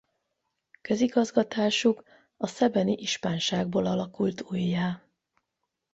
Közigazgatásuk a szebeni ispánságból alakult ujjá.